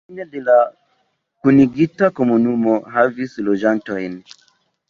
Fine de la kunigita komunumo havis loĝantojn.